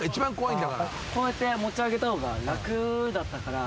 こうやって持ち上げた方が楽だったから。